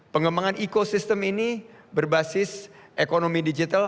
pengembangan ekosistem ini berbasis ekonomi digital